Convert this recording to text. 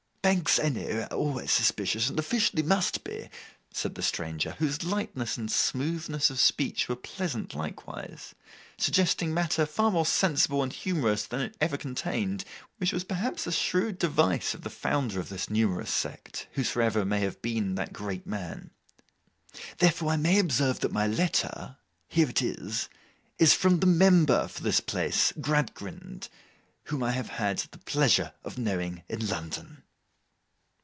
'Banks, I know, are always suspicious, and officially must be,' said the stranger, whose lightness and smoothness of speech were pleasant likewise; suggesting matter far more sensible and humorous than it ever contained—which was perhaps a shrewd device of the founder of this numerous sect, whosoever may have been that great man: 'therefore I may observe that my letter—here it is—is from the member for this place—Gradgrind—whom I have had the pleasure of knowing in London.